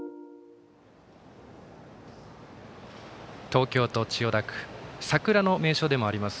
東京都千代田区桜の名所でもあります